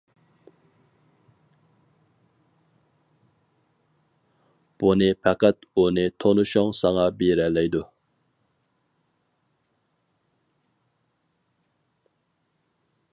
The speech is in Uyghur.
بۇنى پەقەت ئۇنى تونۇشۇڭ ساڭا بېرەلەيدۇ.